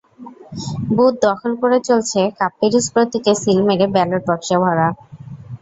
Booth দখল করে চলছে কাপ-পিরিচ প্রতীকে সিল মেরে ব্যালট বাক্সে ভরা।